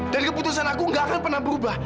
dan keputusan aku gak akan pernah berubah